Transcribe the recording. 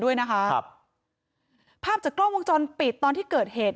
ด้วยนะครับภาพจากกล้องวงจรปิดตอนที่เกิดเหตุ